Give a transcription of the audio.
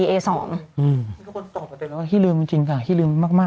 ที่คุณตอบก็เป็นที่ลืมจริงค่ะที่ลืมมาก